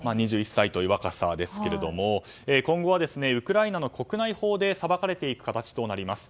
２１歳という若さですけども今後はウクライナの国内法で裁かれていく形となります。